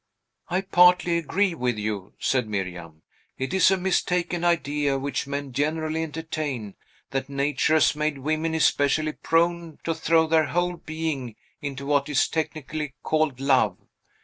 "I partly agree with you," said Miriam. "It is a mistaken idea, which men generally entertain, that nature has made women especially prone to throw their whole being into what is technically called love.